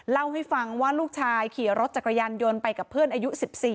เล่าให้ฟังว่าลูกชายขี่รถจักรยานยนต์ไปกับเพื่อนอายุ๑๔